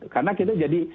karena kita jadi